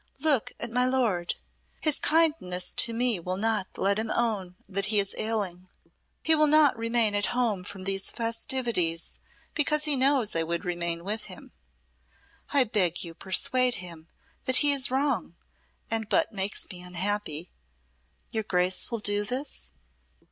"Look at my lord. His kindness to me will not let him own that he is ailing. He will not remain at home from these festivities because he knows I would remain with him. I beg you persuade him that he is wrong and but makes me unhappy. Your Grace will do this?"